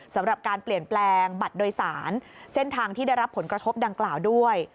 สำหรับการเปลี่ยนแปลงบัตรโดยสารเส้นทางที่ได้รับผลกระทบดังกล่าวด้วย